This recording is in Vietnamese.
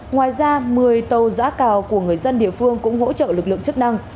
ngoài ra một mươi tàu giã cào của người dân địa phương cũng hỗ trợ lực lượng chức năng